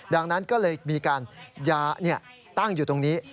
ดังนั้นก็เลยมีการยาตั้งอยู่ตรงนี้